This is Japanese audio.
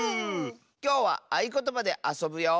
きょうはあいことばであそぶよ！